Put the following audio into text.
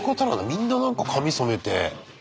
みんななんか髪染めて。